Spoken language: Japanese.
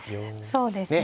そうですね。